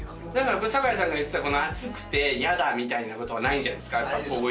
これ酒井さんが言ってた、熱くて嫌だみたいなことはないんじゃないですか？